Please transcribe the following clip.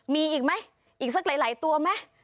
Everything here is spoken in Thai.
มีอีกมั้ยอีกซักหลายตัวแม่